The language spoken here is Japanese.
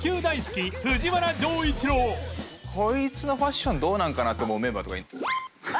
こいつのファッションどうなのかなって思うメンバーとかいるの？